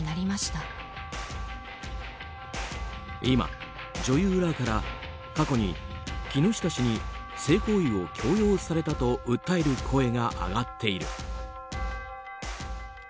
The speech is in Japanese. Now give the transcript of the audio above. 今、女優らから過去に木下氏に性行為を強要されたと訴える声が上がっている。